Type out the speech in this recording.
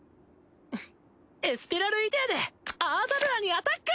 エスペラルイデアでアーダルラにアタック！